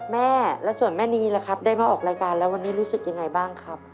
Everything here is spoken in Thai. แม่และส่วนแม่นีล่ะครับได้มาออกรายการแล้ววันนี้รู้สึกยังไงบ้างครับ